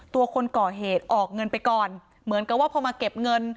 คนก่อเหตุออกเงินไปก่อนเหมือนกับว่าพอมาเก็บเงิน